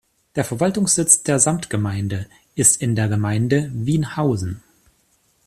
Der Verwaltungssitz der Samtgemeinde ist in der Gemeinde Wienhausen.